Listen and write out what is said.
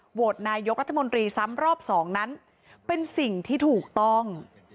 โหวตนายกรัฐมนตรีซ้ำรอบสองนั้นเป็นสิ่งที่ถูกต้อง